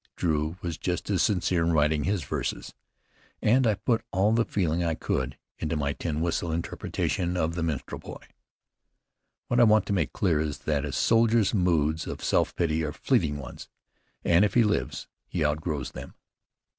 Drew was just as sincere in writing his verses, and I put all the feeling I could into my tin whistle interpretation of "The Minstrel Boy." What I want to make clear is, that a soldier's moods of self pity are fleeting ones, and if he lives, he outgrows them.